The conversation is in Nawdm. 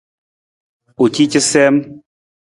U ci casiim.